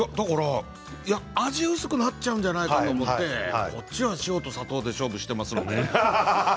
味が薄くなっちゃうんじゃないかなと思ってうちは塩と砂糖で勝負してますので。